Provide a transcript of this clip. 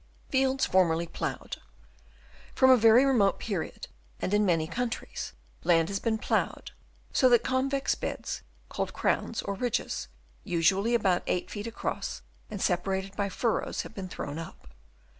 Fields formerly ploughed, — From a very remote period and in many countries, land has been ploughed, so that convex beds, called crowns or ridges, usually about 8 feet across and separated by furrows, have been thrown up.